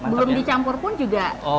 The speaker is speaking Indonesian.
belum dicampur pun juga